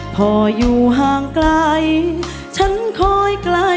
พออยู่ห่างไกลฉันคอยไกล